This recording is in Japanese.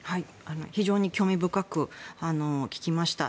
非常に興味深く聞きました。